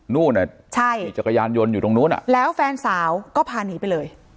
นู่นอ่ะใช่ขี่จักรยานยนต์อยู่ตรงนู้นอ่ะแล้วแฟนสาวก็พาหนีไปเลย